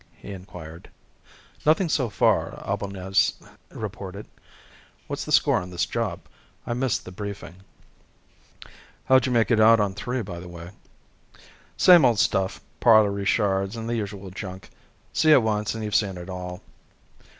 he inquired. "Nothing so far," Albañez reported. "What's the score on this job? I missed the briefing." "How'd you make out on III, by the way?" "Same old stuff, pottery shards and the usual junk. See it once and you've seen it all."